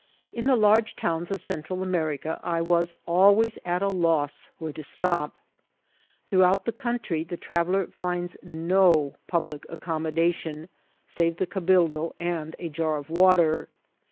In the large towns of Central America I was always at a loss where to stop. Throughout the country the traveller finds no public accommodation save the cabildo and a jar of water.